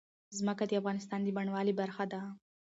ځمکه د افغانستان د بڼوالۍ برخه ده.